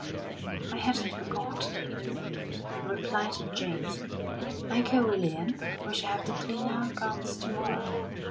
"I hadn't forgotten," replied James. "Uncle William, we shall have to clean our guns to morrow."